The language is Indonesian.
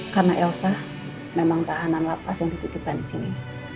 karena elsa memang tahanan lapas yang dititipkan di sini